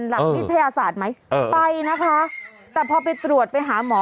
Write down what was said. หลักวิทยาศาสตร์ไหมเออไปนะคะแต่พอไปตรวจไปหาหมอ